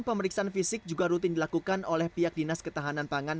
pemeriksaan fisik juga rutin dilakukan oleh pihak dinas ketahanan pangan